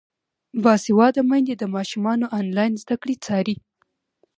باسواده میندې د ماشومانو انلاین زده کړې څاري.